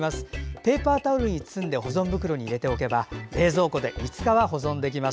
ペーパータオルに包んで保存袋に入れておけば冷蔵庫で５日は保存できます。